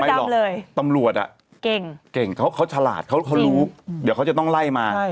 ไม่หรอกตำรวจเก่งเขาฉลาดเขารู้เดี๋ยวเขาจะต้องไล่มา